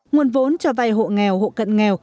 nguồn vốn cho vai hộ nghèo hộ cận nghèo